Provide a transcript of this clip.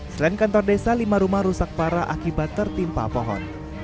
selain kantor desa lima rumah rusak parah akibat tertimpa pohon